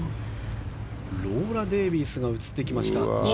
ローラ・デービースが映りました。